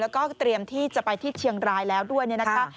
แล้วก็เตรียมที่จะไปที่เชียงรายแล้วด้วยเนี่ยนะคะ